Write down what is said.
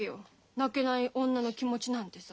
泣けない女の気持ちなんてさ。